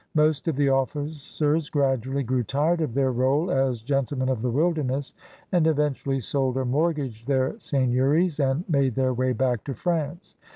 Most of the officers gradually grew tired of their r61e as gentlemen of the wilderness, and eventu ally sold or mortgaged their seigneuries and made their way back to France.